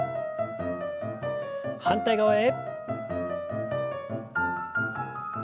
反対側へ。